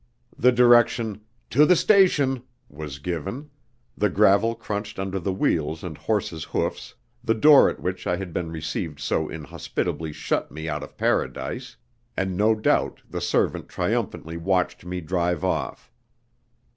The direction, "to the station," was given, the gravel crunched under the wheels and horse's hoofs, the door at which I had been received so inhospitably shut me out of paradise, and no doubt the servant triumphantly watched me drive off.